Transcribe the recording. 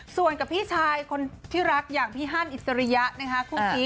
ส่วนกับพี่ชายคนที่รักอย่างพี่ฮันอิสริยะนะคะคู่นี้